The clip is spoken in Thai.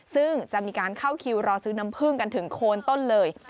ซึ่งจะมีการเข้าคิวรอซื้อน้ำผึ้งกันถึงโคนต้นเลย